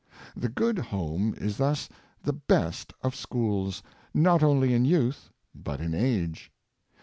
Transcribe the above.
The good home is thus the best of schools, not only in youth, but in age.